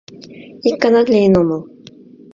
— Ик ганат лийын омыл.